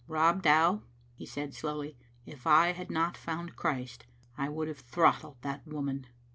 "Rob Dow," he said, slowly, "if I had not found Christ I would have throttled that woman.